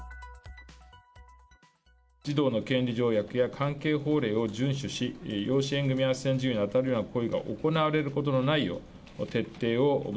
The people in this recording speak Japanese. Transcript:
児童の権利条約や関係法令を順守し、養子縁組あっせん事業に当たるような行為が行われることのないよ